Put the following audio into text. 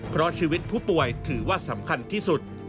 เพราะชีวิตผู้ป่วยถือว่าสำคัญที่สุด